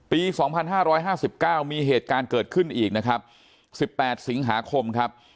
ปี๒๕๕๙มีเหตุการณ์เกิดขึ้นอีกนะครับ๑๘สิงหาคมครับ